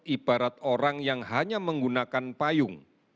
ibarat orang yang hanya menggunakan payung